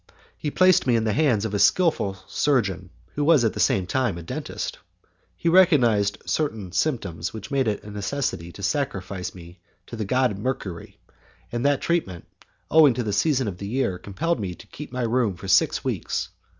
He placed me in the hands of a skilful surgeon, who was at the same time a dentist. He recognized certain symptoms which made it a necessity to sacrifice me to the god Mercury, and that treatment, owing to the season of the year, compelled me to keep my room for six weeks.